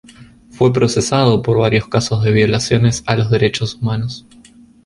Fue procesado por varios casos de violaciones a los derechos humanos.